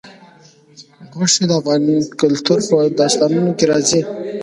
غوښې د افغان کلتور په داستانونو کې راځي.